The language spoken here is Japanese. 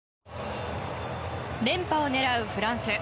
連覇を狙うフランス。